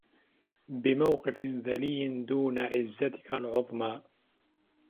بموقف ذلي دون عزتك العظمى